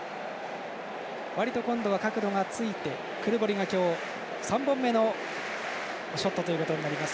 割と、今度は角度がついてクルボリが今日３本目のショットということになります。